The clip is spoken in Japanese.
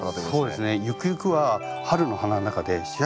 そうですね。